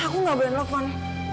aku gak boleh telepon